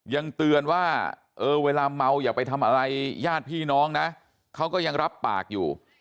ยังเตือนว่าเออเวลาเมาอย่าไปทำอะไรญาติพี่น้องนะเขาก็ยังรับปากอยู่